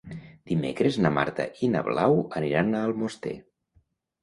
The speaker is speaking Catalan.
Dimecres na Marta i na Blau aniran a Almoster.